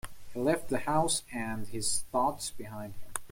He left the house and his thoughts behind him.